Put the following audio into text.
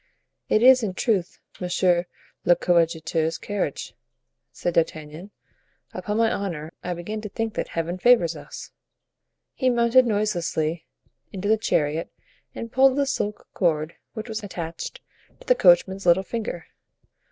"It is, in truth, monsieur le coadjuteur's carriage," said D'Artagnan; "upon my honor I begin to think that Heaven favors us." He mounted noiselessly into the chariot and pulled the silk cord which was attached to the coachman's little finger.